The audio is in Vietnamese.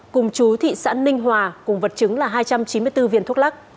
cùng chú thị xã ninh hòa cùng vật chứng là hai trăm chín mươi bốn viên thuốc lắc